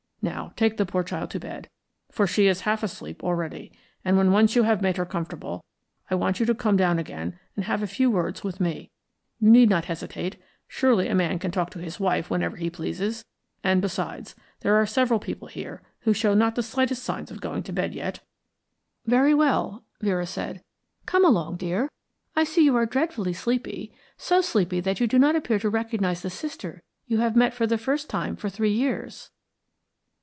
Now take the poor child to bed, for she is half asleep already, and when once you have made her comfortable I want you to come down again and have a few words with me. You need not hesitate; surely a man can talk to his wife whenever he pleases and, besides, there are several people here who show not the slightest signs of going to bed yet." "Very well," Vera said. "Come along, dear, I see you are dreadfully sleepy so sleepy that you do not appear to recognise the sister you have met for the first time for three years."